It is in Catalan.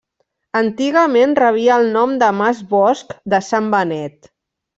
Antigament rebia el nom de Mas Bosch de Sant Benet.